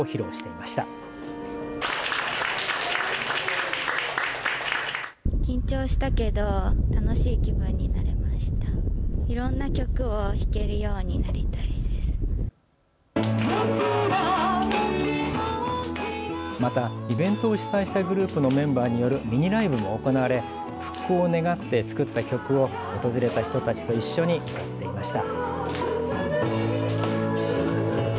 また、イベントを主催したグループのメンバーによるミニライブも行われ復興を願って作った曲を訪れた人たちと一緒に歌っていました。